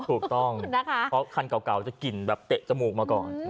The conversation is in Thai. ถูกต้องนะคะเพราะคันเก่าจะกลิ่นแบบเตะจมูกมาก่อน